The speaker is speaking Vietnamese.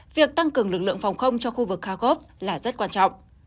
việc tăng cường lực lượng phòng không cho khu vực khagov là rất quan trọng